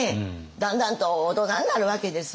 だんだんと大人になるわけですわ。